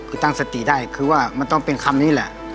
คือตั้งสติได้คือว่ามันต้องเป็นคำนี้แหละ